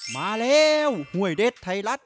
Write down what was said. มาแล้วห้วยเด็ดไทยรัฐ